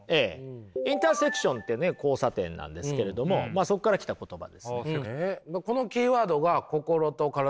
インターセクションってね交差点なんですけれどもそこから来た言葉です。